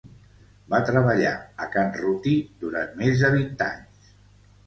Va treballar a Can Ruti durant més de vint anys.